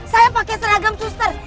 saya pakai seragam suster